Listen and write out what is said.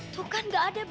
tuh kan gak ada ber